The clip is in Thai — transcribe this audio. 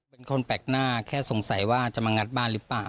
เป็นคนแปลกหน้าแค่สงสัยว่าจะมางัดบ้านหรือเปล่า